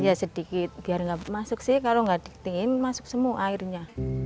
ya sedikit biar nggak masuk sih kalau nggak diktingin masuk semua airnya